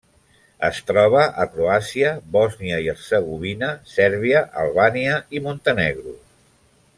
Es troba a Croàcia, Bòsnia i Hercegovina, Sèrbia, Albània i Montenegro.